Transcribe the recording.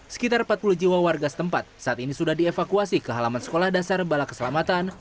sekitar empat puluh jiwa warga setempat saat ini sudah dievakuasi ke halaman sekolah dasar bala keselamatan